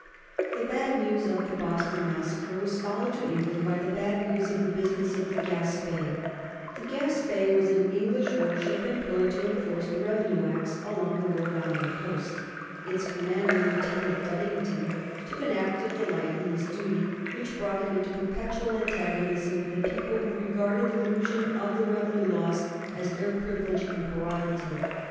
The bad news of the Boston Massacre was followed to England by the bad news of the business of the "Gaspee." The "Gaspee" was an English warship employed to enforce the Revenue Acts along the Rhode Island coast. Its commander, Lieutenant Duddington, took an active delight in his duty which brought him into perpetual antagonism with a people who regarded elusion of the revenue laws as their privilege and prerogative.